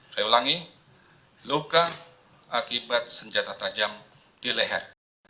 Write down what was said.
saya ulangi luka akibat senjata tajam di leher